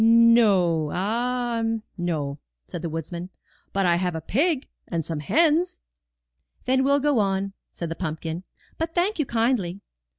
*'No, ah, no," said the woodsman, ''but I have a pig and some hens." 'Then we'll go on," said the pumpkin, "but thank you kindly."